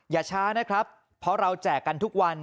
อย่าช้านะครับเพราะเราแจกกันทุกวัน